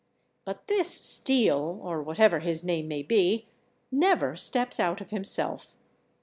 But this Steele—or whatever his name may be—never steps out of himself.